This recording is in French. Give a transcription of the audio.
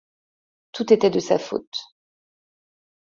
Tout était de sa faute.